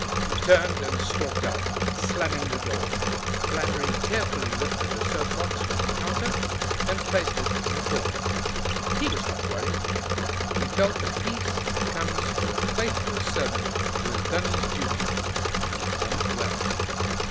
He turned and stalked out, slamming the door. Flannery carefully lifted the soap box from the counter and placed it in a corner. He was not worried. He felt the peace that comes to a faithful servant who has done his duty and done it well.